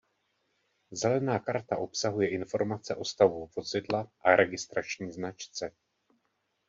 Zelená karta obsahuje informace o stavu vozidla a registrační značce.